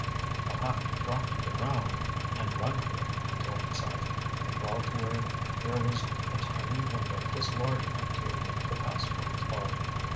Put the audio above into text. "I'll have to drop to the ground and run for it," he told himself, and crawled to where there was a tiny window just large enough to admit the passage of his body.